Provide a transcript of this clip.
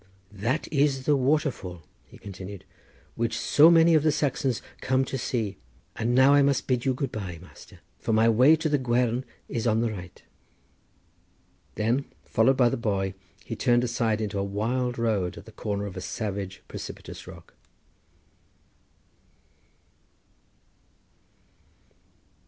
"That is the waterfall," he continued, "which so many of the Saxons come to see. And now I must bid you good bye, master; for my way to the Gwern is on the right." Then followed by the boy he turned aside into a wild road at the corner of a savage, precipitous rock.